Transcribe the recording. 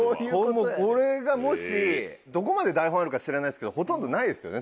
これがもしどこまで台本あるか知らないですけどほとんどないですよね？